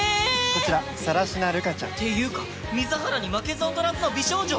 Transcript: こちら更科瑠夏ちゃんっていうか水原に負けず劣らずの美少女！